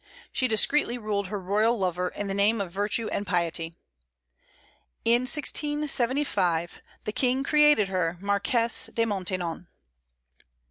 She discreetly ruled her royal lover in the name of virtue and piety. In 1675 the King created her Marquise de Maintenon.